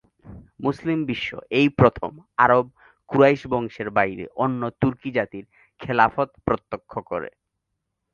মুসলিম বিশ্ব এই প্রথম আরব কুরাইশ বংশের বাইরে অন্য তুর্কি জাতির খেলাফত প্রত্যক্ষ করে।